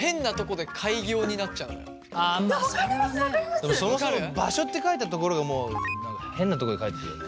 でもそもそも「場所」って書いたところがもう変なとこに書いてるよね。